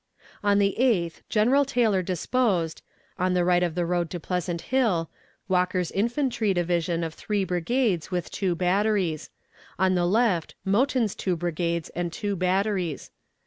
On the 8th General Taylor disposed, on the right of the road to Pleasant Hill, Walker's infantry division of three brigades with two batteries; on the left, Mouton's two brigades and two batteries.